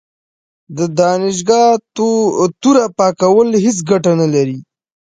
د دانشګاه توره پاکول هیڅ ګټه نه لري.